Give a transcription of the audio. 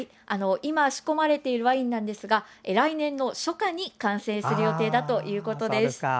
今、仕込まれているワインなんですが来年の初夏に完成する予定だということです。